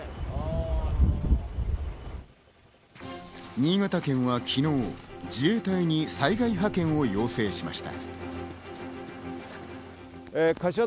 新潟県は昨日、自衛隊に災害派遣を要請しました。